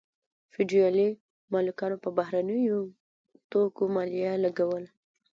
فیوډالي مالکانو په بهرنیو توکو مالیه لګوله.